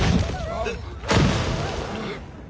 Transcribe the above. あっ。